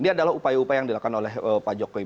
dia adalah upaya upaya yang dilakukan oleh pak jokowi